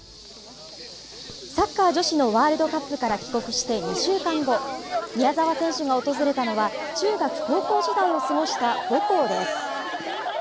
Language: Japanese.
サッカー女子のワールドカップから帰国して２週間後、宮澤選手が訪れたのは中学・高校時代を過ごした母校です。